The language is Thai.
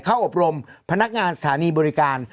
อบรมพนักงานสถานีบริการ